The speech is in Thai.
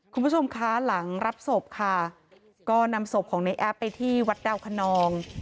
คุณผู้ชมคะหลังรับศพค่ะก็นำศพของในแอปไปที่วัดดาวคนนอง